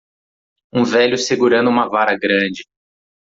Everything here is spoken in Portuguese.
Um velho segurando uma vara grande.